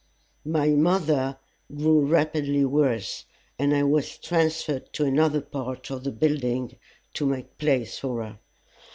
My mother grew rapidly worse, and I was transferred to another part of the building to make place for her.